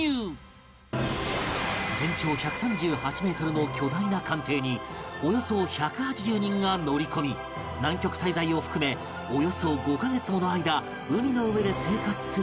全長１３８メートルの巨大な艦艇におよそ１８０人が乗り込み南極滞在を含めおよそ５カ月もの間海の上で生活する「しらせ」